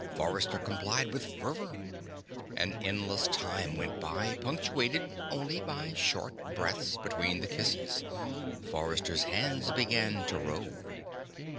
Forrester complied with fervor. An endless time went by, punctuated only by short breaths between the kisses. Forrester's hands began to rove.